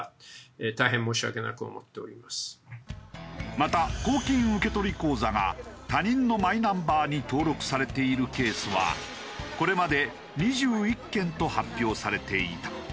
また公金受取口座が他人のマイナンバーに登録されているケースはこれまで２１件と発表されていた。